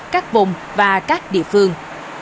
các vùng và các địa phương